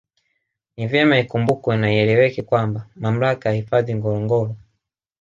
Ni vyema ikumbukwe na ieleweke kwamba Mamlaka ya hifadhi Ngorongoro